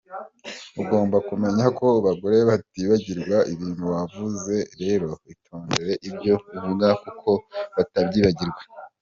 Ugomba kumenya ko bagore batibagirwa ibintu wavuze rero itondere ibyo uvuga kuko batabyibagirwa.